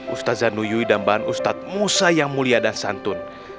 ustaz zanuyuy dan mbak ustadz musa yang mulia dan santun